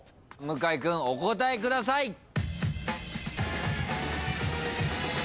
向井君お答えください。